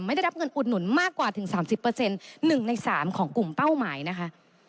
ไม่ได้รับเงินอุดหนุนมากกว่าถึงสามสิบเปอร์เซ็นต์หนึ่งในสามของกลุ่มเป้าหมายนะคะ